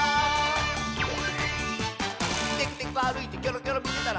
「テクテクあるいてキョロキョロみてたら」